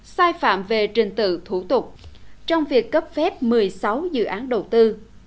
sai phạm về trình tự thủ tục trong việc cấp phép một mươi sáu dự án đầu tư